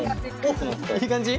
いい感じ？